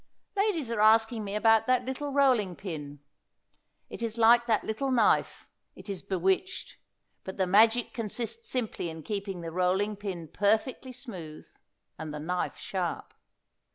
Ladies are asking me about that little rolling pin. It is like that little knife, it is bewitched, but the magic consists simply in keeping the rolling pin perfectly smooth, and the knife sharp.